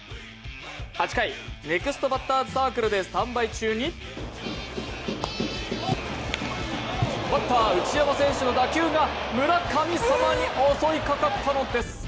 ８回、ネクストバッターズサークルでスタンバイ中にバッター・内山選手の打球が村神様に襲いかかったのです。